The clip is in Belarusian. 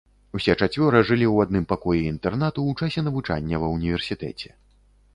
Усе чацвёра жылі ў адным пакоі інтэрнату ў часе навучання ва ўніверсітэце.